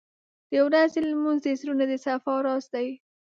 • د ورځې لمونځ د زړونو د صفا راز دی.